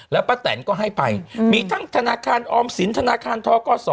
แล้วป้าแตนก็ให้ไปมีทั้งธนาคารออมสินธนาคารทกศ